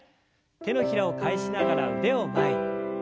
手のひらを返しながら腕を前に。